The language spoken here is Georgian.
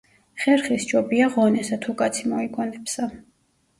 "ხერხი სჯობია ღონესა, თუ კაცი მოიგონებსა"